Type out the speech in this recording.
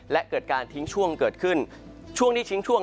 และเกิดการทิ้งช่วงเกิดขึ้น